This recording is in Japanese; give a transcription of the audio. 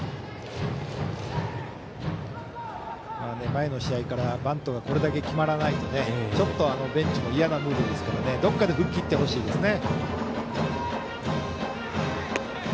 前の試合からバントがこれだけ決まらないとベンチも嫌なムードですからどこかで吹っ切ってほしいですね。